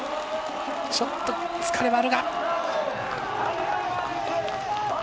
ちょっと疲れはあるが。